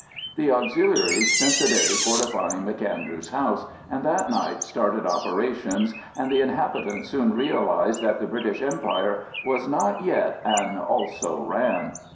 The Auxiliaries spent the day fortifying M'Andrew's house, and that night started operations, and the inhabitants soon realised that the British Empire was not yet an "also ran."